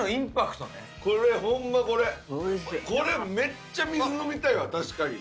これめっちゃ水飲みたいわ確かに。